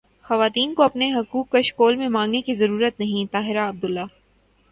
خواتین کو اپنے حقوق کشکول میں مانگنے کی ضرورت نہیں طاہرہ عبداللہ